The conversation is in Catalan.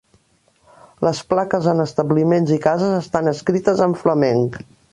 Les plaques en establiments i cases estan escrites en flamenc